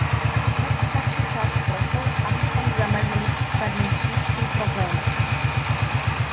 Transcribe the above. Nás tlačí čas proto, abychom zamezili případným příštím problémům.